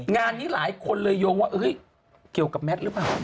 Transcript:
งานนี้หลายคนเลยโยงว่าเฮ้ยเกี่ยวกับแมทหรือเปล่า